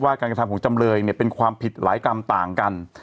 การกระทำของจำเลยเนี่ยเป็นความผิดหลายกรรมต่างกัน